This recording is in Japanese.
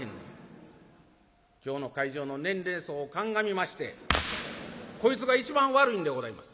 今日の会場の年齢層を鑑みましてこいつが一番悪いんでございます。